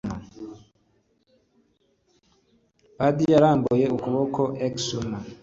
padi yarambuye ukuboko. xuma